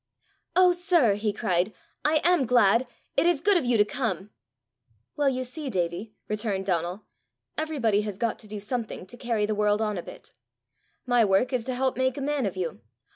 "Oh, sir," he cried, "I am glad! It is good of you to come!" "Well, you see, Davie," returned Donal, "everybody has got to do something to carry the world on a bit: my work is to help make a man of you.